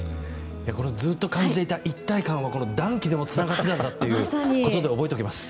これずっと感じていた一体感は暖気でもつながっていたということで覚えておきます。